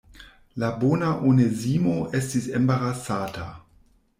La bona Onezimo estis embarasata.